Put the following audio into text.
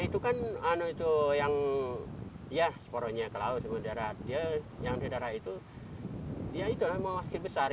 di darat itu kan yang seporonya ke laut yang di darat itu dia itu lah yang menghasil besar